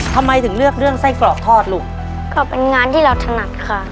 ทำไมถึงเลือกเรื่องไส้กรอกทอดลูกก็เป็นงานที่เราถนัดค่ะ